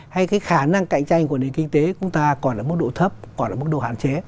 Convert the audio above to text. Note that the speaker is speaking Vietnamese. hay cái khả năng cạnh tranh của nền kinh tế của chúng ta còn ở mức độ thấp còn ở mức độ hạn chế